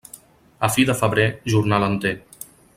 A fi de febrer, jornal enter.